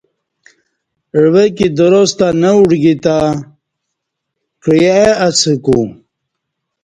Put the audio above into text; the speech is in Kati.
عوہ کی دراس تں نہ اڑگی تں کعیے اسہ کو